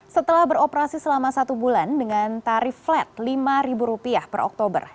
setelah beroperasi selama satu bulan dengan tarif flat rp lima per oktober